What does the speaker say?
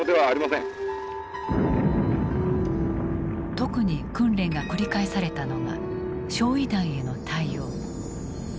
特に訓練が繰り返されたのが焼夷弾への対応。